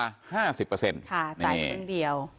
ค่ะจ่ายทั้งเดียว